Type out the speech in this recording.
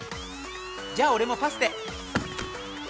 じゃあ俺もパスで。